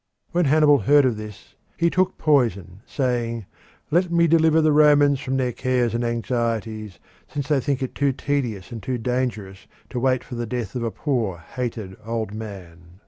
When Hannibal heard of this he took poison, saying, "Let me deliver the Romans from their cares and anxieties since they think it too tedious and too dangerous to wait for the death of a poor, hated old man."